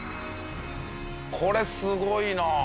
これすごいなあ。